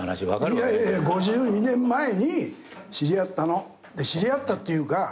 いやいや５２年前に知り合ったの。で知り合ったっていうか